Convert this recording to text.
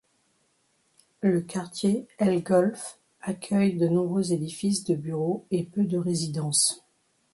Le quartier El Golf accueille de nombreux édifices de bureaux et peu de résidences.